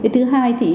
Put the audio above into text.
thứ hai thì